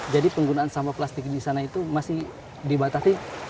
jadi penggunaan sampah plastik di sana itu masih dibatasi